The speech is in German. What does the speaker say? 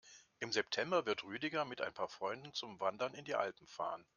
Im September wird Rüdiger mit ein paar Freunden zum Wandern in die Alpen fahren.